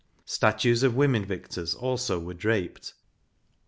7 Statues of women victors also were draped.